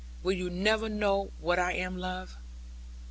Will you never know what I am, love?'